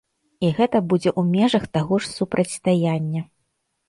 І гэта будзе ў межах таго ж супрацьстаяння.